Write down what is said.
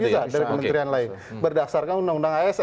bisa dari kementerian lain berdasarkan undang undang asn